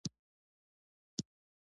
افغانستان زما د نیکه وطن دی